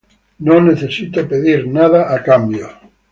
No necesito pedir nada a cambio.